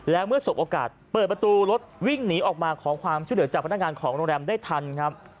แล้วเมื่อสบโอกาสเปิดประตูรถวิ่งหนีออกมาขอความช่วยเหลือจากพนักงานของโรงแรมได้ทันครับ